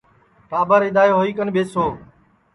ٹاٻر اِدؔائے ہوئی کن ٻیسو